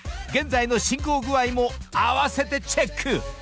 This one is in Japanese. ［現在の進行具合も併せてチェック］